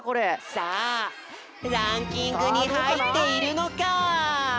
さあランキングにはいっているのか？